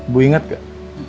bu inget gak